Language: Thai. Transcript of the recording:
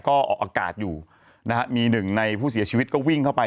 ก็ออกอากาศอยู่นะฮะมีหนึ่งในผู้เสียชีวิตก็วิ่งเข้าไป